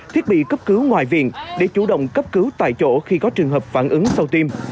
thiết bị cấp cứu ngoại viện để chủ động cấp cứu tại chỗ khi có trường hợp phản ứng sau tim